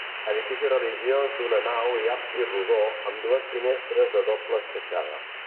Edifici religiós d'una nau i absis rodó amb dues finestres de doble esqueixada.